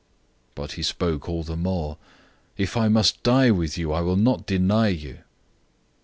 014:031 But he spoke all the more, "If I must die with you, I will not deny you."